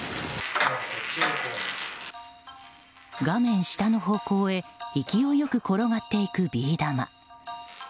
画面下の方向へ勢いよく転がっていくビー玉。